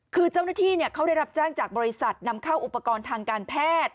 คือเจ้าหน้าที่เขาได้รับแจ้งจากบริษัทนำเข้าอุปกรณ์ทางการแพทย์